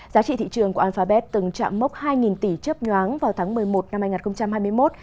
giá trị thị trường của alphabet từng chạm mốc hai tỷ chớp nhoáng vào tháng một mươi một năm hai nghìn hai mươi một